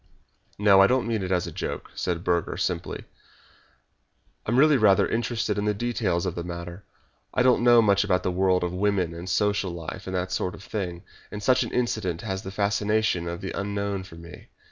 "No, I don't mean it as a joke," said Burger, simply. "I am really rather interested in the details of the matter. I don't know much about the world and women and social life and that sort of thing, and such an incident has the fascination of the unknown for me.